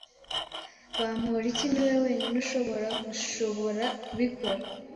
Bamporiki niwe wenyine ushobora gushobora kubikora.